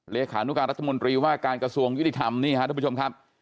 เลขานุการรัฐมนตรีว่าการกระทรวงยุติธรรม